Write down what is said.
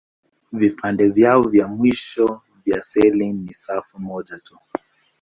Vipande vyao vya mwisho vya seli ni safu moja tu.